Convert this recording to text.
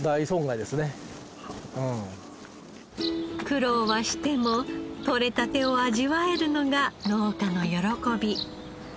苦労はしてもとれたてを味わえるのが農家の喜び。